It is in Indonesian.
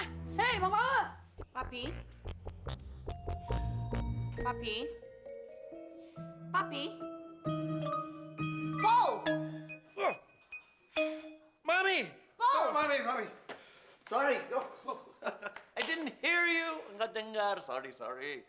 hai hey mau apa tapi tapi tapi mau mami mami sorry i didn't hear you nggak dengar sorry sorry